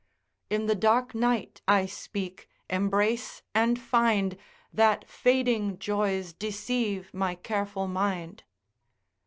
In the dark night I speak, embrace, and find That fading joys deceive my careful mind.